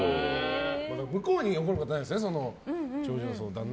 向こうに怒ることはないんですね。